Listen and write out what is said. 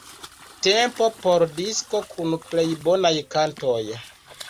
Tempo por 'disko kun plej bonaj kantoj'.